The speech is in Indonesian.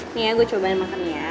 nih ya gue cobain makan ya